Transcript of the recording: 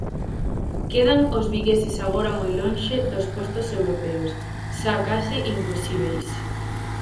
Quedan os vigueses agora moi lonxe dos postos europeos, xa case imposíbeis.